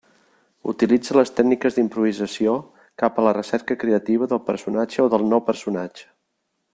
Utilitza les tècniques d'improvisació cap a la recerca creativa del personatge o del no-personatge.